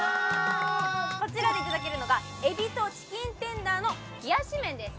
こちらでいただけるのがエビとチキンテンダーの冷やし麺です